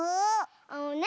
あのね